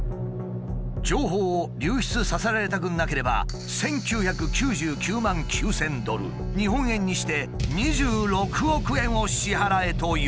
情報を流出させられたくなければ１，９９９万９，０００ドル日本円にして２６億円を支払えと要求してきた。